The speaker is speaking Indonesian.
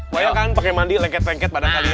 pokoknya kan pakai mandi lengket lengket badan kalian